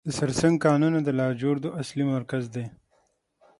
د سرسنګ کانونه د لاجوردو اصلي مرکز دی.